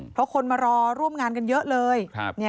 เพราะคนมารอร่วมงานกันเยอะเลย